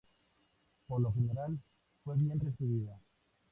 Por lo general fue bien recibida.